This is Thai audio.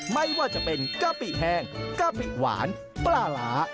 ไม่ว่าจะเป็นกะปิแห้งกะปิหวานปลาร้า